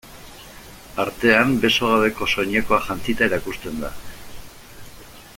Artean beso gabeko soinekoa jantzita erakusten da.